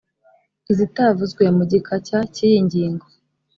izitavuzwe mu gika cya cy iyi ngingo